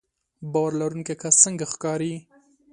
باور لرونکی کس څنګه ښکاري